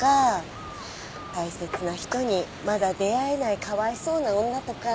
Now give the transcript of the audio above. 大切な人にまだ出会えないかわいそうな女とか。